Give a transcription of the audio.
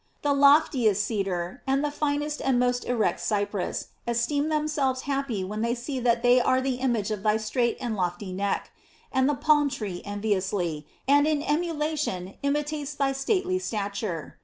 The loftiest cedar and the finest and most erect cypress esteem themselves happy when they see that they are the image of thy straight and lofty neck, and the palm tree enviously, and in emula tion, imitates thy stately stature.